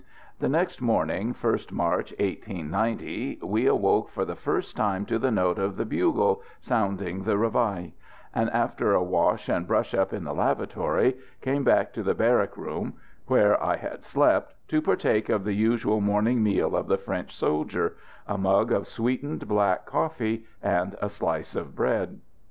The next morning, 1st March, 1890, we awoke for the first time to the note of the bugle sounding the réveil; and after a wash and brush up in the lavatory, came back to the barrack room, where I had slept, to partake of the usual morning meal of the French soldier a mug of sweetened black coffee and a slice of bread.